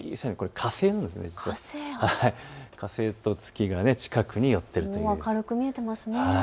火星と月が近くに寄っています。